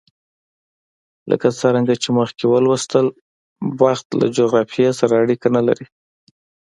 لکه څرنګه چې مخکې ولوستل، بخت له جغرافیې سره اړیکه نه لري.